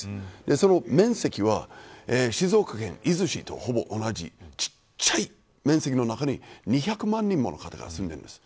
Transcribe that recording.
その面積は静岡県の伊豆市とほぼ同じで小さい面積の中に２００万人の方が住んでいるんです。